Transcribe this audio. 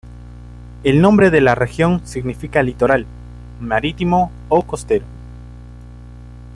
El nombre de la región significa "Litoral", "Marítimo" o "Costero".